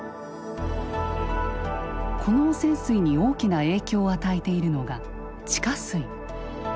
この汚染水に大きな影響を与えているのが地下水。